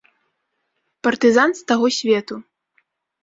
Партызан з таго свету.